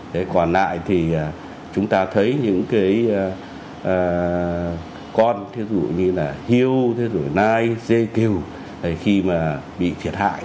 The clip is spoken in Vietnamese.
thế còn lại thì chúng ta thấy những cái con thí dụ như là hiu thí dụ nai dê kiều khi mà bị thiệt hại